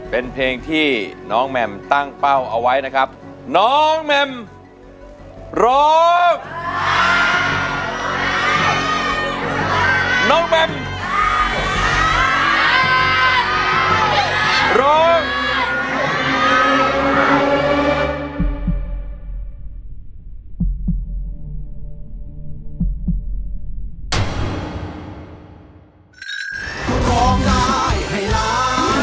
เป็นเพลงที่สามมูลค่าสี่หมื่นบาทเป็นเพลงที่สามมูลค่าสี่หมื่นบาท